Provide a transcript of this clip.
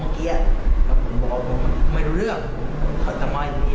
กับยี่สิบแล้วก็แล้วก็มาดูต่อของเนี้ย